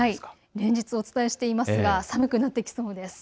連日お伝えしていますが寒くなってきそうです。